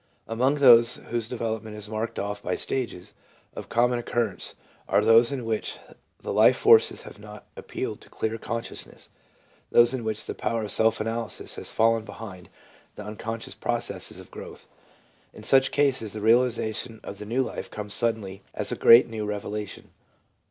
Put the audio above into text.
Among those whose development is marked off by stages, of common occurrence are those in which the life forces have not appealed to clear consciousness, those in which the power of self analysis has fallen behind the unconscious processes of growth. In such cases the realis ation of the new life comes suddenly as a great new revelation.